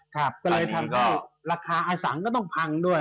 ครับก็เลยทำให้ราคาอสังก็ต้องพังด้วย